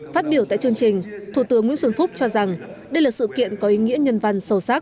phát biểu tại chương trình thủ tướng nguyễn xuân phúc cho rằng đây là sự kiện có ý nghĩa nhân văn sâu sắc